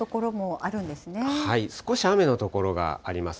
はい、少し雨の所があります。